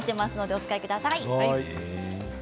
お使いください。